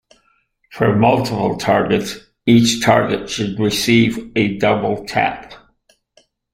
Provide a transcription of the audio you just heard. For multiple targets, each target should receive a double tap.